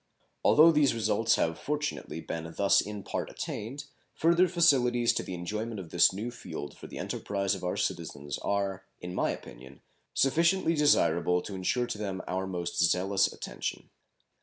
Although these results have fortunately been thus in part attained, further facilities to the enjoyment of this new field for the enterprise of our citizens are, in my opinion, sufficiently desirable to insure to them our most zealous attention.